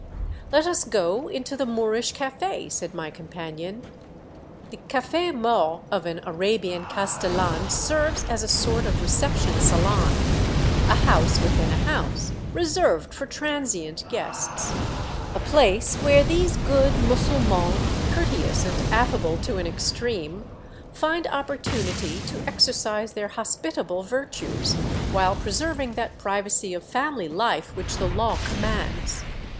" Let us go into the Moorish caf6," said my com panion. The caf^ inaure of an Arabian castellan serves as a sort of reception salon, a house within a house, reserved for transient guests, — a place where these good Mussulmans, courteous and affable to an extreme, find opportunity to exercise their hospitable virtues, while preserving that privacy of family life which the Law commands.